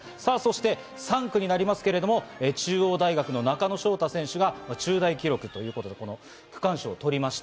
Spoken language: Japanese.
３区になりますが、中央大学・中野翔太選手が中大記録ということで区間賞を取りました。